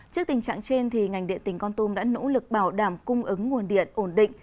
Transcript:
trước tình trạng trên ngành điện tỉnh con tum đã nỗ lực bảo đảm cung ứng nguồn điện ổn định